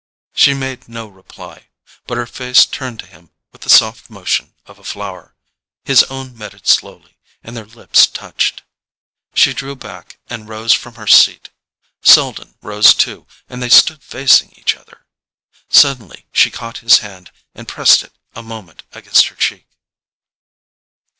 She made no reply, but her face turned to him with the soft motion of a flower. His own met it slowly, and their lips touched. She drew back and rose from her seat. Selden rose too, and they stood facing each other. Suddenly she caught his hand and pressed it a moment against her cheek.